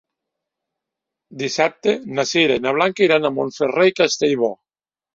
Dissabte na Sira i na Blanca iran a Montferrer i Castellbò.